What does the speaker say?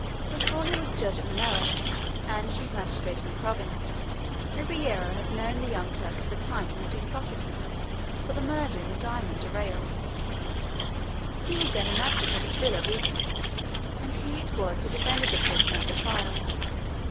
Before he was judge at Manaos, and chief magistrate in the province, Ribeiro had known the young clerk at the time he was being prosecuted for the murder in the diamond arrayal. He was then an advocate at Villa Rica, and he it was who defended the prisoner at the trial.